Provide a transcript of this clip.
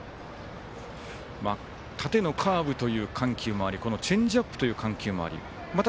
縦のカーブという緩急もありチェンジアップという緩急もありまた